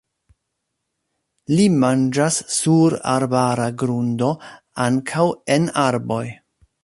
Ii manĝas sur arbara grundo, ankaŭ en arboj.